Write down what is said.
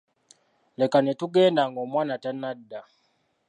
Leka ne tugenda ng'omwana tannadda.